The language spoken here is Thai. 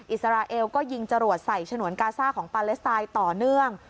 อิสราเอลก็ยิงจรวดใส่ฉนวนกาซ่าของปาเลสไตน์ต่อเนื่อง